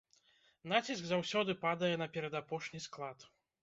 Націск заўсёды падае на перадапошні склад.